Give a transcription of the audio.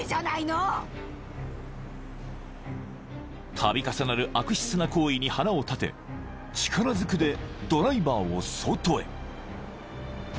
［度重なる悪質な行為に腹を立て力ずくでドライバーを外へ］